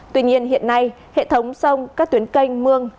tuy nhiên hiện nay hệ thống sông các tuyến canh mương